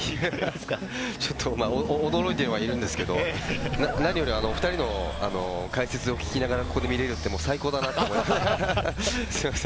ちょっと驚いてはいるんですけど、何より２人の解説を聞きながら、ここで見れるって、最高だなと思って。